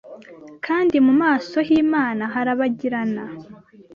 Kandi Mu maso hImana harabagirana